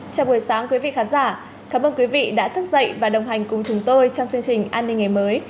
chào buổi sáng quý vị khán giả cảm ơn quý vị đã thức dậy và đồng hành cùng chúng tôi trong chương trình an ninh ngày mới